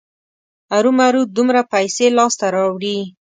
ارومرو دومره پیسې لاسته راوړي.